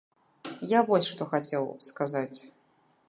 Я вось што хацеў сказаць.